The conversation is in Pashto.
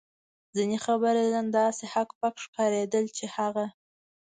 ځینې خبریالان داسې هک پک ښکارېدل چې هغه.